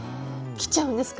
切っちゃうんですか？